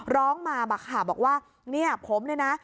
ร้องมาค่ะบอกว่าเนี่ยผมเนี่ยนะ